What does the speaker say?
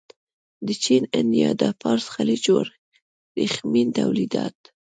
د چین، هند یا د فارس خلیج ورېښمین تولیدات.